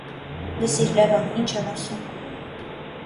- Լսիր, Լևոն, ինչ եմ ասում: